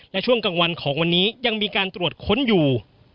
และช่วงกลางวันของวันนี้ยังมีการตรวจค้นอยู่